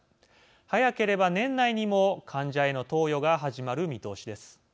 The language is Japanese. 早ければ年内にも患者への投与が始まる見通しです。